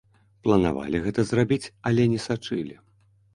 Планавалі гэта зрабіць, але не сачылі.